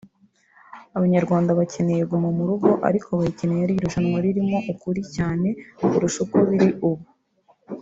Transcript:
Abanyarwanda bakeneye Guma Guma ariko bayikeneye ari irushanwa ririmo ukuri cyane kurusha uko biri ubu”